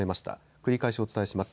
繰り返しお伝えします。